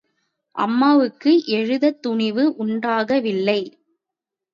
அம்மாவுக்கு எழுதத் துணிவு உண்டாகவில்லை.